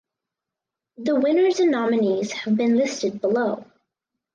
The winners and nominees have been listed below.